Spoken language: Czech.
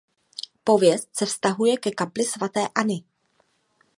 Pověst se vztahuje ke kapli svaté Anny.